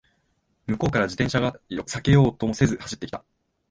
向こうから自転車が避けようともせず走ってきた